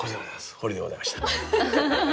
ホリでございました。